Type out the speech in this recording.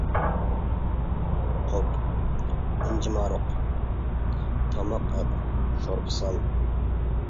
-قوپ، ئىنجىمارۇق، تاماق ئەت، شورپا سال!